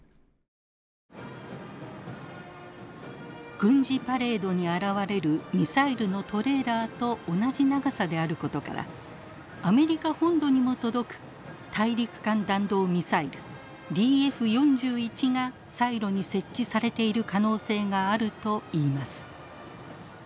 軍事パレードに現れるミサイルのトレーラーと同じ長さであることからアメリカ本土にも届く大陸間弾道ミサイルＤＦ４１がサイロに設置されている可能性があるといいます。